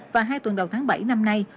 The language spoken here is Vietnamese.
và hai tuần đầu tháng bảy năm nay